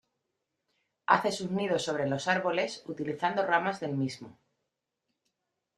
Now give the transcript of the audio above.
Hace sus nidos sobre los árboles, utilizando ramas del mismo.